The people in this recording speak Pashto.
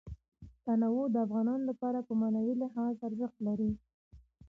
تنوع د افغانانو لپاره په معنوي لحاظ ارزښت لري.